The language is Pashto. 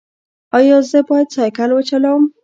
ایا زه باید سایکل وچلوم؟